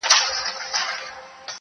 اوس د شپې نکلونه دي پېیلي په اغزیو-